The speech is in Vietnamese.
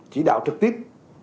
chỉ đạo trực tiếp